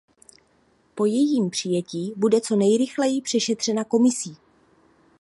Po jejím přijetí bude co nejrychleji přešetřena Komisí.